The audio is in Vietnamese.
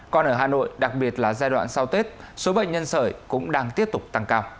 còn ở hà nội đặc biệt là giai đoạn sau tết số bệnh nhân sở cũng đang tiếp tục tăng cao